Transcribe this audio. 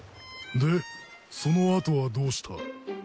でその後はどうした？